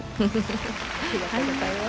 ありがとうございます。